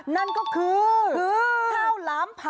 นั่นก็คือข้าวหลามผัก